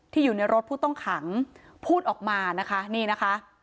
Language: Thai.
อยู่ในรถผู้ต้องขังพูดออกมานะคะนี่นะคะ